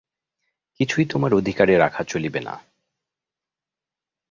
কিছুই তোমার অধিকারে রাখা চলিবে না।